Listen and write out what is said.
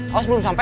aos belum sampe